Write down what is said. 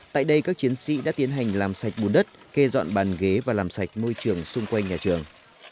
tại đây các chiến sĩ đã tiến hành làm sạch bùn đất kê dọn bàn ghế và làm sạch môi trường xung quanh nhà trường